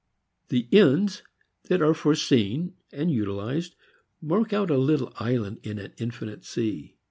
The "ends" that are foreseen and utilized mark out a little island in an infinite sea.